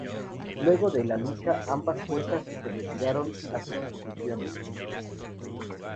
Luego de la lucha, ambas fuerzas se retiraron a sus posiciones.